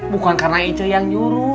bukan karena ijeng yang suruh